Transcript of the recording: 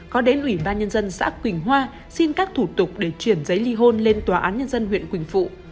có đến ủy ban nhân dân xã quỳnh hoa xin các thủ tục để chuyển giấy ly hôn lên tòa án nhân dân huyện quỳnh phụ